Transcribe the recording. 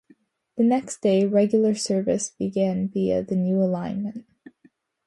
The next day, regular service began via the new alignment.